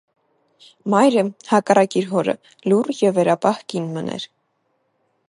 Մայրը, հակառակ իր հօրը, լուռ եւ վերապահ կին մըն էր։